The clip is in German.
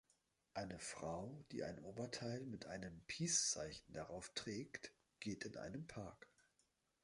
Eine Frau, die ein Oberteil mit einem Peace-Zeichen darauf trägt, geht in einen Park.